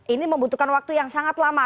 ini membutuhkan waktu yang sangat lama